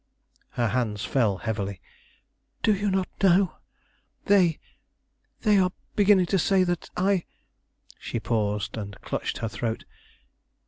Her hands fell heavily. "Do you not know? They they are beginning to say that I " she paused, and clutched her throat.